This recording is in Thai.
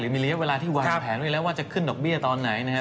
หรือมีเรียกเวลาที่ไว้แผนว่าจะขึ้นดอกเบี้ยตอนไหนนะครับ